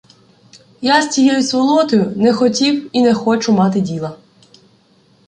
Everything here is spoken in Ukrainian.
— Я з тією сволотою не хотів і не хочу мати діла.